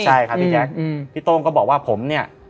ใช่ค่ะพี่แจ๊คพี่โต้งก็บอกว่าผมเนี่ย